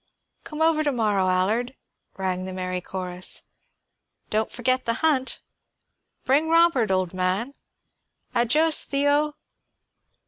"Come over to morrow, Allard," rang the merry chorus. "Don't forget the hunt." "Bring Robert, old man." "Adiós, Theo."